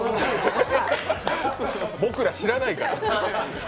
僕ら知らないから。